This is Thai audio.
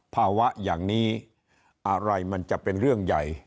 ภาวะอย่างนี้อะไรมันจะเป็นเรื่องใหญ่